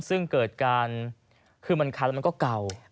ซึ่งเกิดการคือมันคันแล้วมันก็เก่า